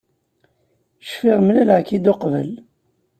Cfiɣ mlaleɣ-k-id uqbel.